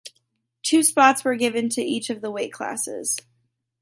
Two spots were given to each of the weight classes.